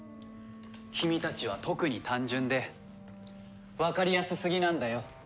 君たちは特に単純でわかりやすすぎなんだよ。